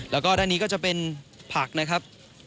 แล้วก็ด้านนี้ก็จะเป็นผักนะครับ